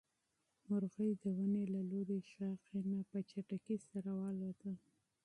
مرغۍ د ونې له لوړې ښاخۍ نه په چټکۍ سره والوته.